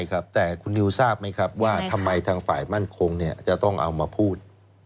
ครับแต่คุณนิวทราบไหมครับว่าทำไมทางฝ่ายมั่นคงจะต้องเอามาพูด